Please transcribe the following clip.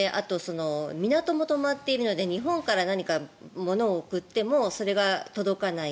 港も止まっているので日本から何かものを送ってもそれが届かない。